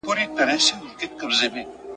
له یخنیه دي بې واکه دي لاسونه ..